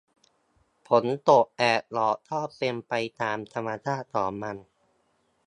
ฝนตกแดดออกก็เป็นไปตามธรรมชาติของมัน